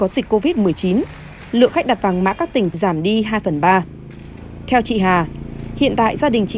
xin chào và hẹn gặp lại